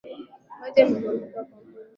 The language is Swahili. Maji yamemwagika kwa meza.